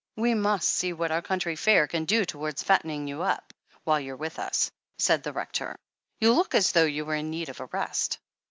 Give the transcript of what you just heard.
"We must see what our country fare can do towards fattening you up, while you're with us," said the Rector. "You look as though you were in need of a rest."